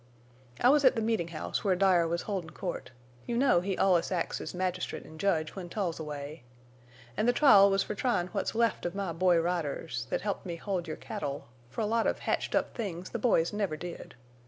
"I was at the meetin' house where Dyer was holdin' court. You know he allus acts as magistrate an' judge when Tull's away. An' the trial was fer tryin' what's left of my boy riders—thet helped me hold your cattle—fer a lot of hatched up things the boys never did.